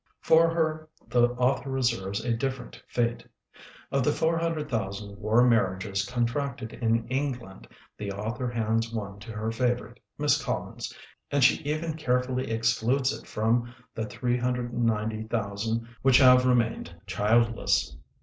For her the author reserves a dif ferent fate. Of the 400,000 war marriages contracted in England, the author hands one to her favorite, Miss Collins; and she even carefully excludes it from the 390,000 which have remained childless.